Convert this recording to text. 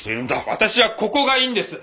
私はここがいいんです！